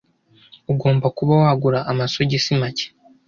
Ugomba kuba wagura amasogisi make.